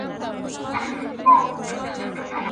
وېښته مي سپین دي په عمر زوړ یم !.